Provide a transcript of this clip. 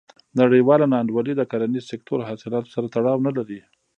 نړیواله نا انډولي د کرنیز سکتور حاصلاتو سره تړاو نه لري.